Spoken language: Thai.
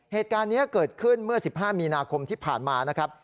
เหตุการณ์นี้เกิดขึ้นเมื่อ๑๕มีนาคมที่ผ่านมานะครับ